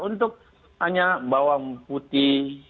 untuk hanya bawang putih